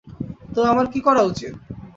তো, আমার কী করা উচিত?